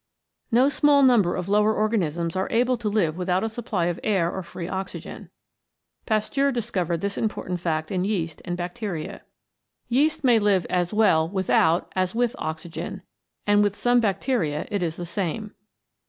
No small number of lower organisms are able to live without a supply of air or free oxygen. Pasteur discovered this important fact in yeast and bacteria. Yeast may live as well without 119 CHEMICAL PHENOMENA IN LIFE as with oxygen, and with some bacteria it is the same.